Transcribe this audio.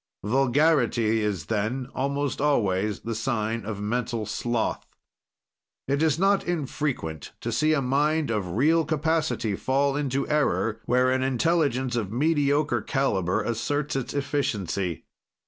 "Vulgarity is, then, almost always the sign of mental sloth. "It is not infrequent to see a mind of real capacity fall into error, where an intelligence of mediocre caliber asserts its efficiency.